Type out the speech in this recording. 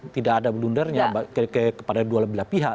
tidak ada blundernya kepada dua belah pihak